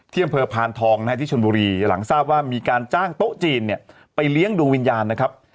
อำเภอพานทองนะฮะที่ชนบุรีหลังทราบว่ามีการจ้างโต๊ะจีนเนี่ยไปเลี้ยงดูวิญญาณนะครับ